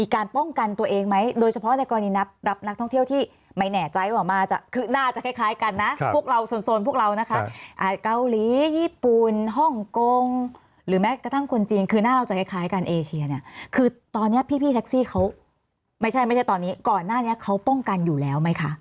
เกาหลีญี่ปุ่นฮ่องกงหรือแม้กระทั่งคนจีนคือหน้าเราจะคล้ายกันเอเชียเนี่ยคือตอนนี้พี่แท็กซี่เขาไม่ใช่ตอนนี้ก่อนหน้านี้เขาป้องกันอยู่แล้วไหมคะ